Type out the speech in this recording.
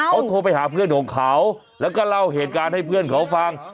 เขาโทรไปหาเพื่อนของเขาแล้วก็เล่าเหตุการณ์ให้เพื่อนเขาฟัง